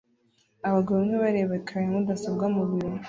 Abagabo bamwe bareba ecran ya mudasobwa mubiro